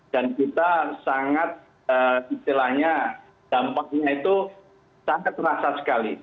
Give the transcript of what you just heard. dan kita sangat istilahnya dampaknya itu sangat terasa sekali